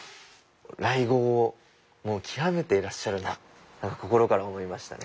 来迎をもう極めていらっしゃるなと心から思いましたね。